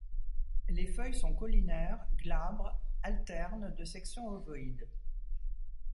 Les feuilles sont caulinaires, glabres, alternes de section ovoïde.